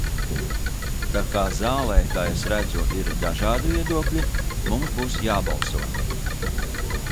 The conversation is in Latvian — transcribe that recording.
Tā kā zālē, kā es redzu, ir dažādi viedokļi, mums būs jābalso.